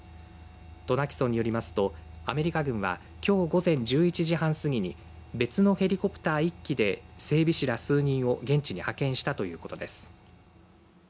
渡名喜村によりますとアメリカ軍はきょう午前１１時半過ぎに別のヘリコプター１機で整備士ら数人を現地に派遣したということです。